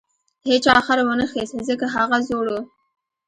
هیچا خر ونه خیست ځکه هغه زوړ و.